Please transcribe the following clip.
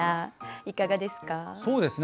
いかがですか？